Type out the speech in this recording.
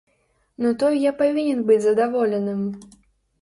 Ну то й я павінен быць задаволеным!